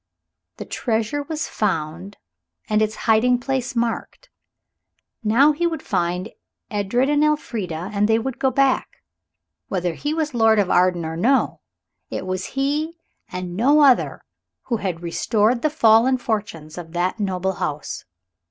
The treasure was found and its hiding place marked. Now he would find Edred and Elfrida, and they would go back. Whether he was Lord of Arden or no, it was he and no other who had restored the fallen fortunes of that noble house.